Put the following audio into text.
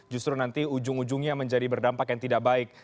justru nanti ujung ujungnya menjadi berdampak yang tidak baik